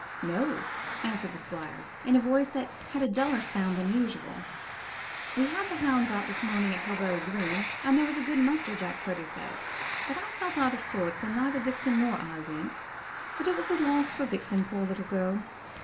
"No," answered the Squire, in a voice that had a duller sound than usual. "We had the hounds out this morning at Hilberry Green, and there was a good muster, Jack Purdy says; but I felt out of sorts, and neither Vixen nor I went. It was a loss for Vixen, poor little girl."